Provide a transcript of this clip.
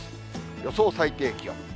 予想最低気温。